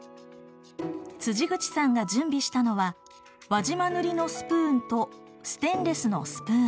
口さんが準備したのは輪島塗のスプーンとステンレスのスプーン。